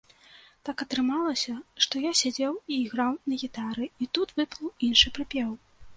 Так атрымалася, што я сядзеў і граў на гітары, і тут выплыў іншы прыпеў.